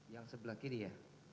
yang sebelah kiri ya